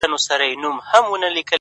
o پاچا صاحبه خالي سوئ ـ له جلاله یې ـ